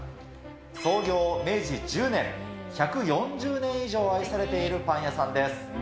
創業明治１０年、１４０年以上愛されているパン屋さんです。